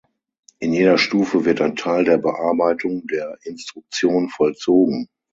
In jeder Stufe wird ein Teil der Bearbeitung der Instruktion vollzogen.